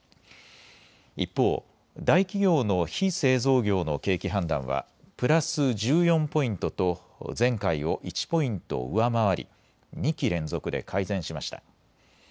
一方、大企業の非製造業の景気判断はプラス１４ポイントと前回を１ポイント上回り２期連続で改善しました。